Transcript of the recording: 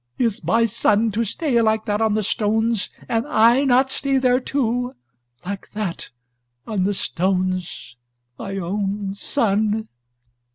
"Is my son to stay like that on the stones, and I not stay there too? like that, on the stones, my own son?"